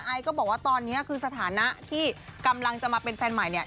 ไอก็บอกว่าตอนนี้คือสถานะที่กำลังจะมาเป็นแฟนใหม่เนี่ย